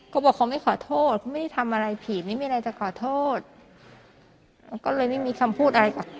เขาบอกเขาไม่ขอโทษเขาไม่ได้ทำอะไรผิดไม่มีอะไรจะขอโทษเขาก็เลยไม่มีคำพูดอะไรค่ะ